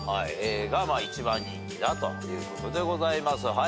が一番人気だということでございます。